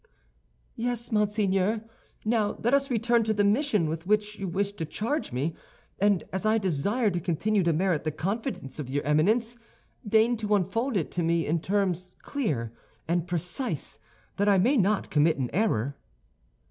"Yes, monseigneur. Now let us return to the mission with which you wish to charge me; and as I desire to continue to merit the confidence of your Eminence, deign to unfold it to me in terms clear and precise, that I may not commit an error."